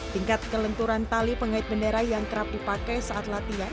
tingkat kelenturan tali pengait bendera yang kerap dipakai saat latihan